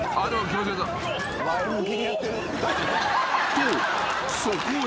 ［とそこへ］